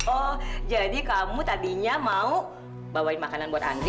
oh jadi kamu tadinya mau bawain makanan buat anda